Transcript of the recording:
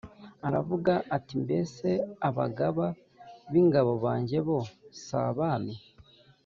Aravuga ati «Mbese, abagaba b’ingabo banjye bo si abami?